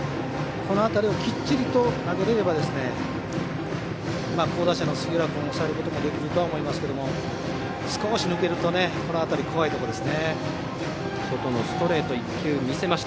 この辺りをきっちりと投げられれば好打者の杉浦君を抑えることができると思いますが少し抜けると怖いところです。